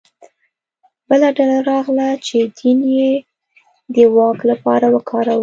بله ډله راغله چې دین یې د واک لپاره وکاروه